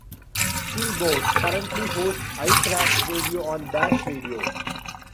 T-Boz currently hosts iCraft Radio on Dash Radio.